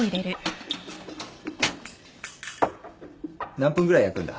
何分ぐらい焼くんだ？